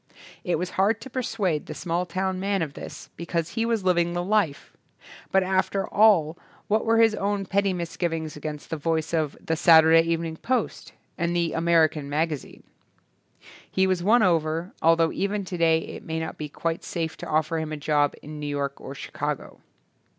It was hard to persuade the small town man of this because he was living the life; but after all what were his own petty misgivings against the voice of "The Saturday Evening Post" and "The American Magazine"? He was won over, although even today it may not be quite safe to offer him a job in New York or Chicago.